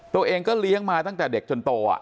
ตัวเองก็เลี้ยงมาตั้งแต่เด็กจนโต